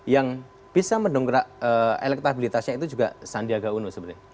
yang bisa mendongkrak elektabilitasnya itu juga sandiaga uno sebenarnya